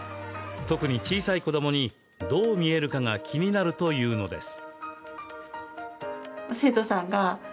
特に小さい子どもにどう見えるかが気になるというのです。